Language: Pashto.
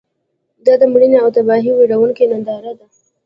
دا د مړینې او تباهۍ ویرونکې ننداره ده.